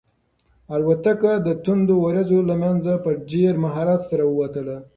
الوتکه د توندو وریځو له منځه په ډېر مهارت سره ووتله.